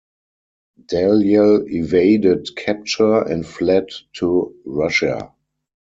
Dalyell evaded capture and fled to Russia.